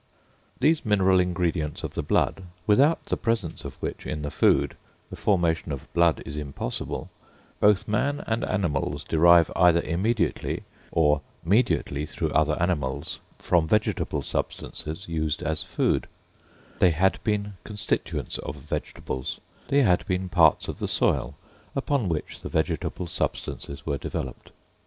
These mineral ingredients of the blood without the presence of which in the food the formation of blood is impossible both man and animals derive either immediately, or mediately through other animals, from vegetable substances used as food; they had been constituents of vegetables, they had been parts of the soil upon which the vegetable substances were developed.